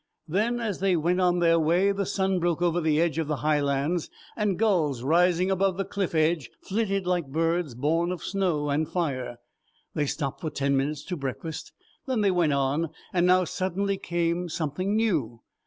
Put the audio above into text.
Then as they went on their way the sun broke over the edge of the high lands and gulls rising above the cliff edge flitted like birds born of snow and fire. They stopped for ten minutes to breakfast, then they went on, and now suddenly came something new.